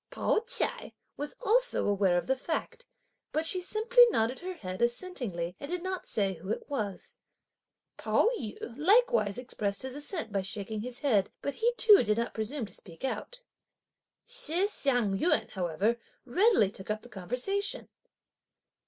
Pao ch'ai was also aware of the fact, but she simply nodded her head assentingly and did not say who it was. Pao yü likewise expressed his assent by shaking his head, but he too did not presume to speak out. Shih Hsiang yün, however, readily took up the conversation.